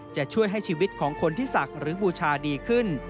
จะช่วยให้ชีวิตของคนที่ศักดิ์หรือบูชาดีขึ้น